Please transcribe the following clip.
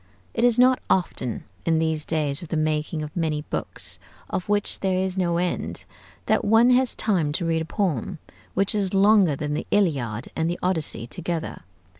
It is not often, in these days of the making of many books of which there is no end, that one has time to read a poem which is longer than the 'Iliad' and the 'Odyssey' together.